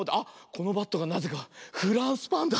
このバットがなぜかフランスパンだ。